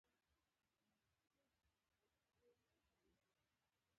ټولو هغو ځایونو ته به ولاړ شو، چي ستا خوښ وي.